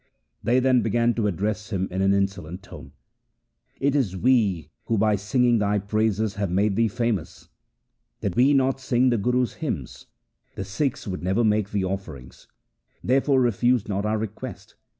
They then began to address him in an insolent tone :' It is we who by singing thy praises have made thee famous. Did we not sing the Guru's hymns, the Sikhs would never make thee offerings. Therefore refuse not our request.